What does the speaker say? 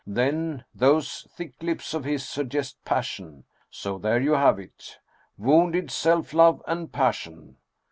Then, those thick lips of his suggest passion. So there you have it: wounded self love and passion.